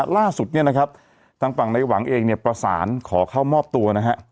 ล่าสุดทางฝั่งในหวังเองประสานข้อเข้ามอบตัว